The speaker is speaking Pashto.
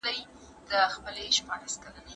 د دنیا له کوره تاته ارمانجن راغلی یمه